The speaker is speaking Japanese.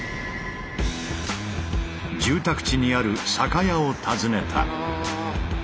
住宅地にある酒屋を訪ねた。